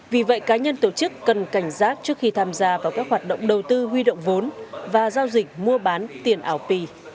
vì vậy cá nhân tổ chức cần cảnh giác trước khi tham gia vào các hoạt động đầu tư huy động vốn và giao dịch mua bán tiền ảo p